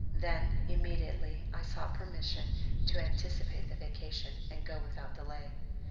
Then, immediately, I sought permission to anticipate the vacation, and go without delay.